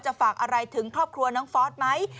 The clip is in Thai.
ฝากอะไรถึงครอบครัวน้องฟอสไหม